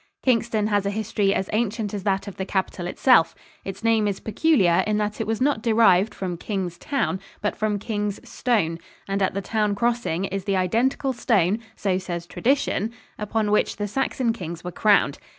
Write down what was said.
Kingston has a history as ancient as that of the capital itself. Its name is peculiar in that it was not derived from King's Town, but from King's Stone; and at the town crossing is the identical stone, so says tradition, upon which the Saxon kings were crowned.